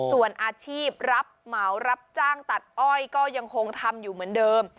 ส่วนอาชีพรับเหมารับจ้างตัดอ้อยก็ยังคงทำอยู่เหมือนเดิม